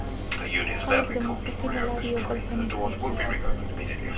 خلک د موسیقۍ له لارې یو بل ته نږدې کېږي.